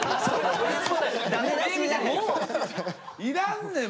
いらんねん！